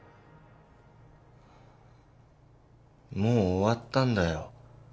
もう終わったんだよ。